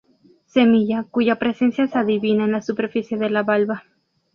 Semilla cuya presencia se adivina en la superficie de la valva.